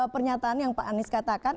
pernyataan yang pak anies katakan